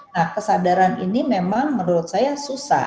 nah kesadaran ini memang menurut saya susah